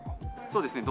そうですね。